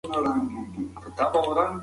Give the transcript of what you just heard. ټولنپوهنه د تاریخ او کلتور اړیکه سپړي.